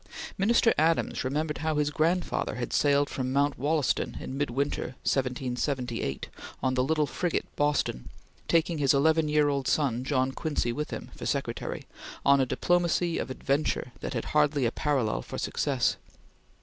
Minister Adams remembered how his grandfather had sailed from Mount Wollaston in midwinter, 1778, on the little frigate Boston, taking his eleven year old son John Quincy with him, for secretary, on a diplomacy of adventure that had hardly a parallel for success.